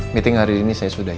meeting hari ini saya sudahi